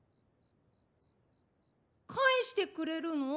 かえしてくれるの？